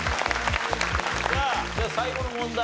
じゃあ最後の問題